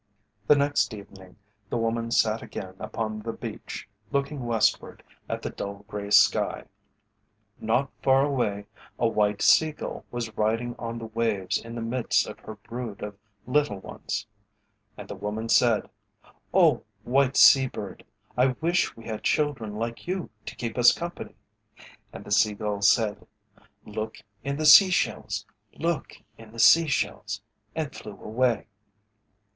The next evening the woman sat again upon the beach looking westward at the dull grey sky. Not far away a white Sea gull was riding on the waves in the midst of her brood of little ones. And the woman said, "Oh, white sea bird, I wish we had children like you to keep us company." And the Sea gull said, "Look in the sea shells; look in the sea shells," and flew away.